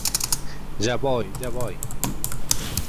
Ya voy, ya voy.